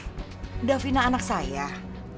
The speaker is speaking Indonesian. bagaimana kalau davina kita jodohkan sama hasraf